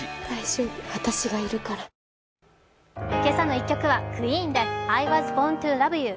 １曲」はＱＵＥＥＮで「ＩＷａｓＢｏｒｎＴｏＬｏｖｅＹｏｕ」。